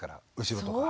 後ろとか。